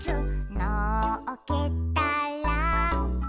「のっけたら」